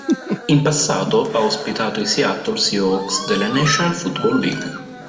In passato ha ospitato i Seattle Seahawks della National Football League.